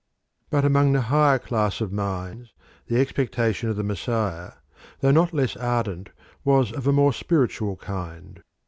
But among the higher class of minds the expectation of the Messiah, though not less ardent, was of a more spiritual kind.